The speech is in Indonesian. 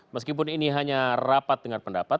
meskipun ini hanya rapat dengan pendapat